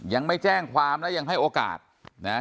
ยังไม่แจ้งความและยังให้โอกาสนะฮะ